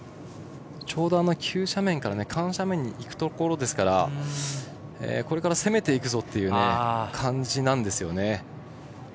ちょうど急斜面から緩斜面に行くところですからこれから攻めていくぞという感じなんですよね。